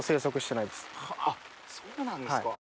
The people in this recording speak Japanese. そうなんですか。